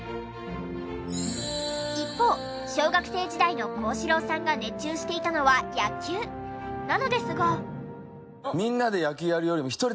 一方小学生時代の幸四郎さんが熱中していたのは野球。なのですが。